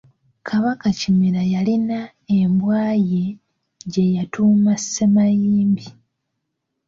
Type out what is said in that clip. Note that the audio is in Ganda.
Kabaka Kimera yalina embwa ye gye yatuuma Ssemayimbi.